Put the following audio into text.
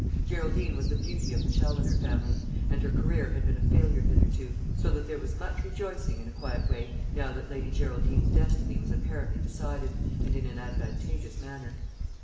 Geraldine was the beauty of the Challoner family, and her career had been a failure hitherto; so that there was much rejoicing, in a quiet way, now that Lady Geraldine's destiny was apparently decided, and in an advantageous manner.